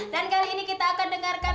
dan kali ini kita akan dengarkan